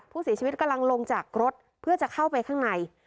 ผู้เสียชีวิตกำลังลงจากรถเพื่อจะเข้าไปข้างใน